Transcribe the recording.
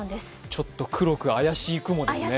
ちょっと黒く怪しい雲ですね。